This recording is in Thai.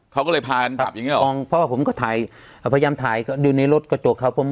เขาก็เลยพากันขับอย่างเงี้มองเพราะว่าผมก็ถ่ายพยายามถ่ายอยู่ในรถกระจกครับผม